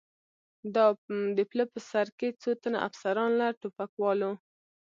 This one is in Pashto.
د پله په سر کې څو تنه افسران، له ټوپکوالو.